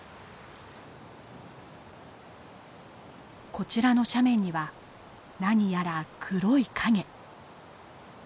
こちらの斜面には何やら黒い影。